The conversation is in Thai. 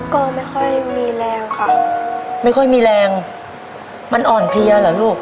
ก็ไม่ค่อยมีแรงค่ะไม่ค่อยมีแรงมันอ่อนเพลียเหรอลูก